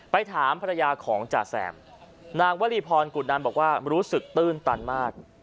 ถามภรรยาของจ่าแซมนางวลีพรกุนันบอกว่ารู้สึกตื้นตันมาก